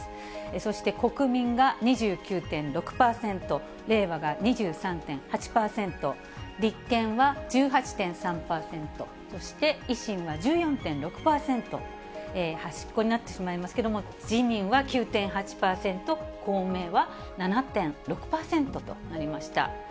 そして、国民が２９．６％、れいわが２３．８％、立憲は１８．３％、そして維新は１４．６％、端っこになってしまいますけれども、自民は９．８％、公明は７．６％となりました。